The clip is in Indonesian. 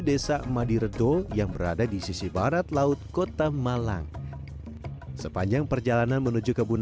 desa madiredo yang berada di sisi barat laut kota malang sepanjang perjalanan menuju kebun